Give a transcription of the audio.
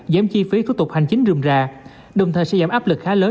giảm chi phí thu tục hành chính rừng ra đồng thời sẽ giảm áp lực khá lớn